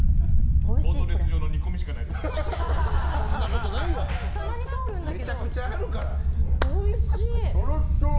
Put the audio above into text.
ボートレース場の煮込みしかないのかと。